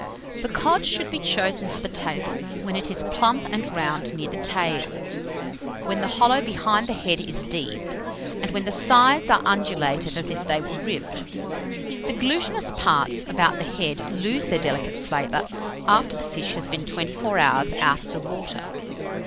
The cod should be chosen for the table when it is plump and round near the tail, when the hollow behind the head is deep, and when the sides are undulated as if they were ribbed. The glutinous parts about the head lose their delicate flavour, after the fish has been twenty four hours out of the water.